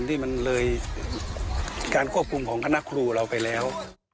ที่มันเลยการควบคุมของคณะครูเราไปแล้ว